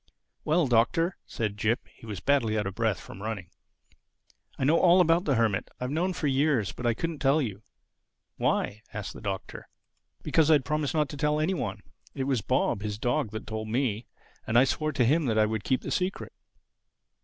"Well, Doctor," said Jip (he was badly out of breath from running), "I know all about the Hermit—I have known for years. But I couldn't tell you." "Why?" asked the Doctor. "Because I'd promised not to tell any one. It was Bob, his dog, that told me. And I swore to him that I would keep the secret."